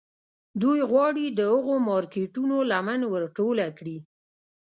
دوی غواړي د هغو مارکیټونو لمن ور ټوله کړي